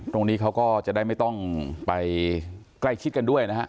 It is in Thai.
ตรงนี้เขาก็จะได้ไม่ต้องไปใกล้ชิดกันด้วยนะฮะ